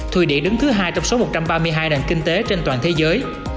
thuỷ điển đứng thứ hai trong số một trăm ba mươi hai đoàn kinh tế trên toàn thế giới